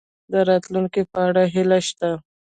د راتلونکي په اړه هیله شته؟